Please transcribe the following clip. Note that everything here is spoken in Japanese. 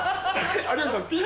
有吉さん